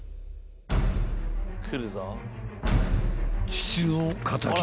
［父の敵］